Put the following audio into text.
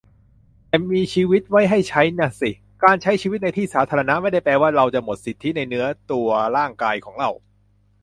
แต่ชีวิตมีไว้ให้ใช้น่ะสิ การใช้ชีวิตในที่สาธารณะ ไม่ได้แปลว่าเราจะหมดสิทธิในเนื้อตัวร่างกายของเรา